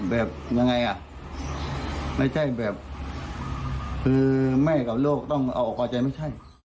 ยังไงอ่ะไม่ใช่แบบคือแม่กับโลกต้องเอาออกอาจารย์ไม่ใช่